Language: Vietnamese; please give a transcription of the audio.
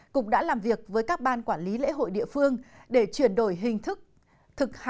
cục đã làm việc với các ban quản lý lễ hội địa phương để chuyển đổi hình thức